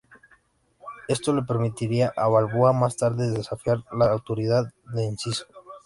Esto le permitiría a Balboa más tarde desafiar la autoridad de Enciso.